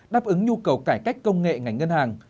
đáp ứng nhu cầu cải cách công nghệ ngành ngân hàng